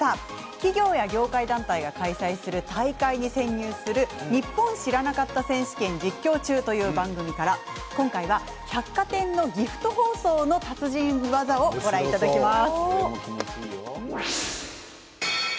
企業や業界団体が開催する大会に潜入する「ニッポン知らなかった選手権実況中！」という番組から今回は百貨店のギフト包装の達人技をご覧いただきます。